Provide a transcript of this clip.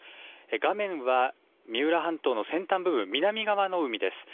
画面は三浦半島の先端部分、南側の海です。